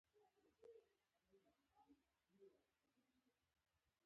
کلمه کيدای شي نوم وي، نومځری وي، ستاینوم وي، کړ وي، کړول وي...